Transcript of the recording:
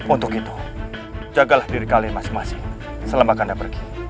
untuk itu jagalah diri kalian masing masing selembak anda pergi